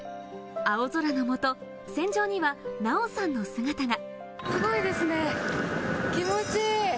青空のもと、船上には奈緒さんの姿が。